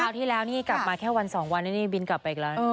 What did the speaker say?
คราวที่แล้วนี่กลับมาแค่วัน๒วันนี่บินกลับไปอีกแล้ว